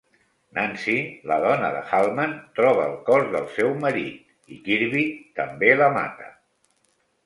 Nancy, la dona de Halman, troba el cos del seu marit i Kirby també la mata.